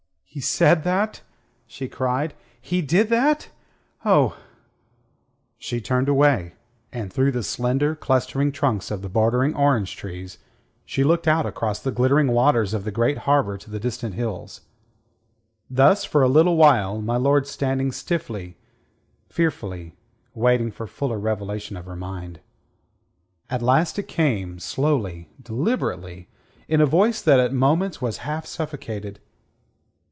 "He said that!" she cried. "He did that! Oh!" She turned away, and through the slender, clustering trunks of the bordering orange trees she looked out across the glittering waters of the great harbour to the distant hills. Thus for a little while, my lord standing stiffly, fearfully, waiting for fuller revelation of her mind. At last it came, slowly, deliberately, in a voice that at moments was half suffocated.